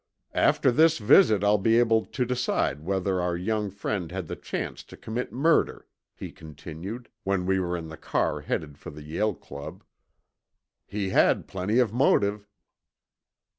"After this visit I'll be able to decide whether our young friend had the chance to commit murder," he continued when we were in the car headed for the Yale Club. "He had plenty of motive."